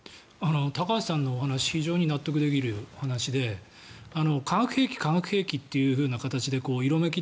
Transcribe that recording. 高橋さんのお話非常に納得できる話で化学兵器、化学兵器という形で色めき